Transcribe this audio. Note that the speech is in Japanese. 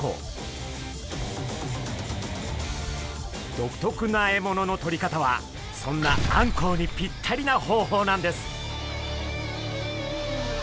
独特な獲物のとり方はそんなあんこうにぴったりな方法なんです。